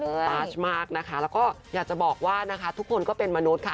สุดนี้ปลาชมากนะคะแล้วก็อยากจะบอกว่าทุกคนก็เป็นมนุษย์ค่ะ